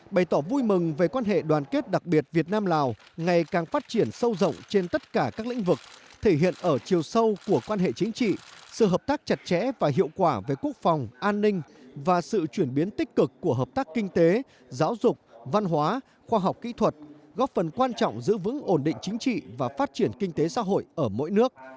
bày tỏ vui mừng về quan hệ đoàn kết đặc biệt việt nam lào ngày càng phát triển sâu rộng trên tất cả các lĩnh vực thể hiện ở chiều sâu của quan hệ chính trị sự hợp tác chặt chẽ và hiệu quả về quốc phòng an ninh và sự chuyển biến tích cực của hợp tác kinh tế giáo dục văn hóa khoa học kỹ thuật góp phần quan trọng giữ vững ổn định chính trị và phát triển kinh tế xã hội ở mỗi nước